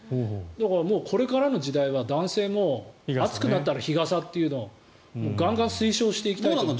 だからこれからの時代は男性も暑くなったら日傘っていうのをガンガン推奨していきたいですね。